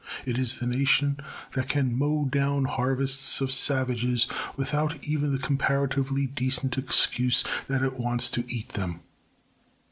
It is the nation that can mow down harvests of savages without even the comparatively decent excuse that it wants to eat them.